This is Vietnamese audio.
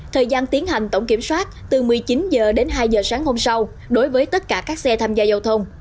thời gian tiến hành tổng kiểm soát từ một mươi chín h đến hai h sáng hôm sau đối với tất cả các xe tham gia giao thông